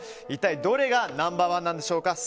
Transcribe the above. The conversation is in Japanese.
一体どれがナンバー１なんでしょうか。